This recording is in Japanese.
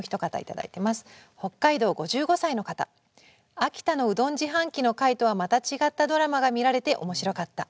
「秋田のうどん自販機の回とはまた違ったドラマが見られて面白かった。